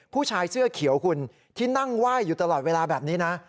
ผู้ชายเสื้อเขียวคุณที่นั่งไหว้อยู่ตลอดเวลาแบบนี้นะ